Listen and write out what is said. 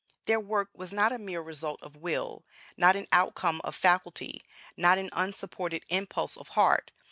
Their work was not a mere result of will, not an outcome of faculty, not an unsupported impulse of heart.